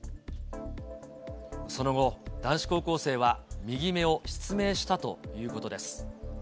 その後、男子高校生は右目を失明したということです。